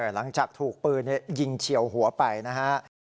หลังจากถูกปืนยิงเฉียวหัวไปนะฮะ